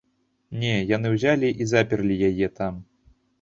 Не, яны ўзялі і заперлі яе там.